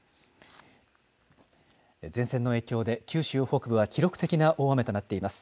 前線の影響で九州北部は記録的な大雨となっています。